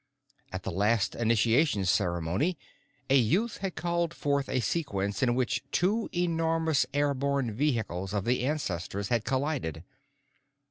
At the last initiation ceremony, a youth had called forth a sequence in which two enormous airborne vehicles of the ancestors had collided.